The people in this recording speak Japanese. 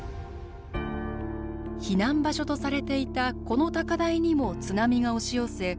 避難場所とされていたこの高台にも津波が押し寄せ